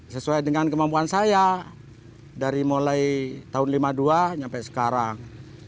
sesuai dengan kemampuan saya dari mulai tahun lima puluh dua sampai sekarang